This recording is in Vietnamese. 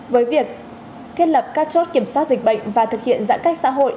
với việc thiết lập các chốt kiểm soát dịch bệnh và thực hiện giãn cách xã hội